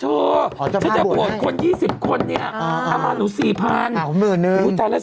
ก็มีคนร่วมทำบุญรึเปล่า